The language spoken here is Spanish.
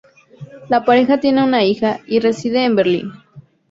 La pareja tiene una hija, y reside en Berlín.